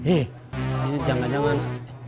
eh ini jangan jangan